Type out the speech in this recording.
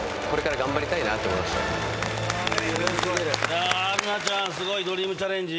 いや春奈ちゃんスゴいドリームチャレンジ